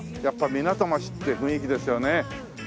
やっぱ港町って雰囲気ですよね。